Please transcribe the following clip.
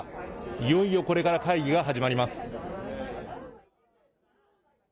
いよいよこれから会議が始まります。